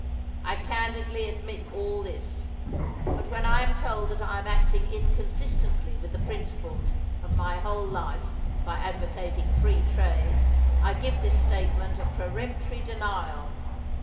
I candidly ad mit all this ; but when I am told that I am acting inconsistently with the principles of my whole life by advocating free trade, I give this state ment a peremptory denial.